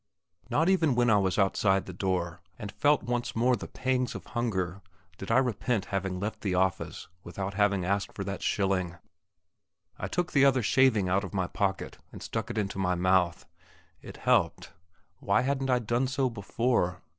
Not even when I was outside the door, and felt once more the pangs of hunger, did I repent having left the office without having asked for that shilling. I took the other shaving out of my pocket and stuck it into my mouth. It helped. Why hadn't I done so before?